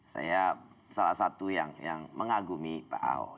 saya salah satu yang mengagumi pak ahok